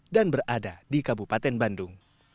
dan berada di kabupaten bandung